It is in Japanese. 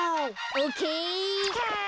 オッケー。